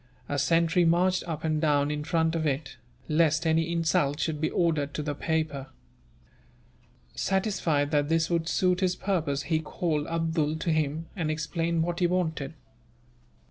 A sentry marched up and down in front of it, lest any insult should be offered to the paper. Satisfied that this would suit his purpose, he called Abdool to him, and explained what he wanted.